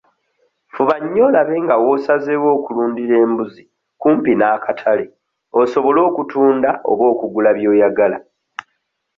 Fuba nnyo olabe nga w'osazeewo okulundira embuzi kumpi n'akatale osobole okutunda oba okugula by'oyagala.